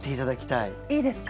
いいですか？